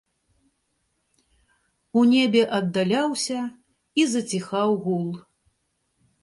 У небе аддаляўся і заціхаў гул.